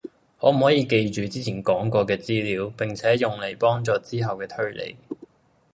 可唔可以記住之前講過嘅資料，並且用嚟幫助之後嘅推理